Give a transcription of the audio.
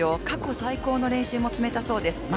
過去最高の練習も積めたそうです。